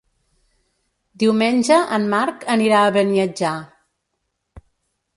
Diumenge en Marc anirà a Beniatjar.